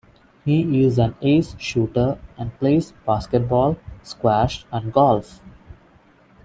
He is an ace shooter and plays basketball, squash, and golf.